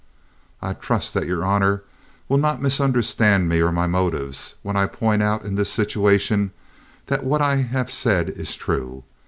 "I trust that your honor will not misunderstand me or my motives when I point out in this situation that what I have said is true.